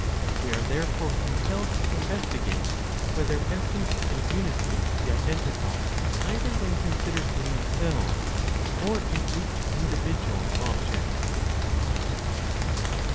We are therefore compelled to investigate whether essence and unity be identical either when considered in themselves, or in each individual object.